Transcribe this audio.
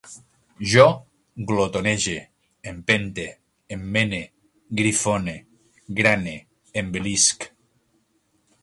Jo glotonege, empente, emmene, grifone, grane, envilisc